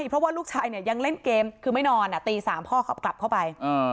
เพราะว่าลูกชายเนี่ยยังเล่นเกมคือไม่นอนตี๓พ่อขับกลับเข้าไป